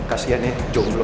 hmm kasiannya jomblo